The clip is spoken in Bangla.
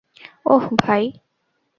ওহ, ভাই।